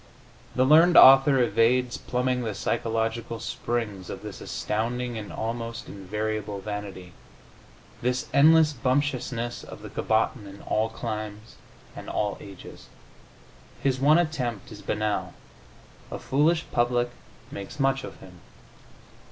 The learned author evades plumbing the psychological springs of this astounding and almost invariable vanity, this endless bumptiousness of the cabotin in all climes and all ages. His one attempt is banal: "a foolish public makes much of him."